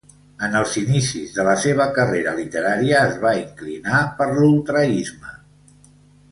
En els inicis de la seva carrera literària es va inclinar per l'ultraisme.